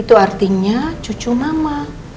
itu artinya cucu mama